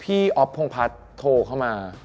พี่อ๊อฟพงภัทรโทรเข้ามา